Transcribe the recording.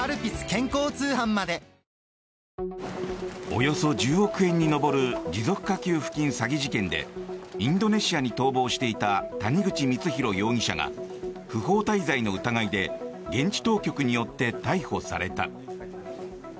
およそ１０億円に上る持続化給付金詐欺事件でインドネシアに逃亡していた谷口光弘容疑者が不法滞在の疑いで現地当局によって逮捕された。